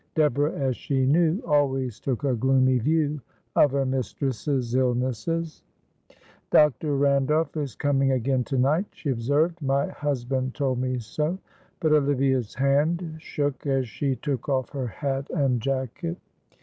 Deborah, as she knew, always took a gloomy view of her mistress's illnesses. "Dr. Randolph is coming again to night," she observed; "my husband told me so;" but Olivia's hand shook as she took off her hat and jacket.